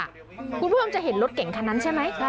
คุณผู้ชมจะเห็นรถเก่งคันนั้นใช่ไหม